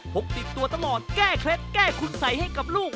พกติดตัวตลอดแก้เคล็ดแก้คุณสัยให้กับลูก